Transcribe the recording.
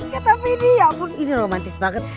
ya tapi ini ya ampun ini romantis banget